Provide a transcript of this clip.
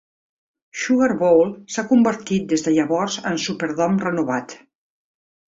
Sugar Bowl s'ha convertit des de llavors en Superdome renovat.